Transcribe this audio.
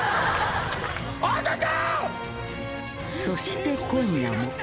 ［そして今夜も］